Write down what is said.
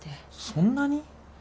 そんなに？